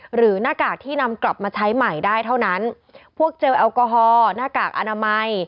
หน้ากากที่นำกลับมาใช้ใหม่ได้เท่านั้นพวกเจลแอลกอฮอล์หน้ากากอนามัย